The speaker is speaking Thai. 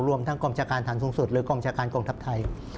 รวมทั้งกองชาการฐานสูงสุดหรือกองชาการกองทัพไทย